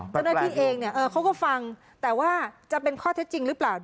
เจ้าหน้าที่เองเขาก็ฟังแต่ว่าจะเป็นข้อเท็จจริงหรือเปล่า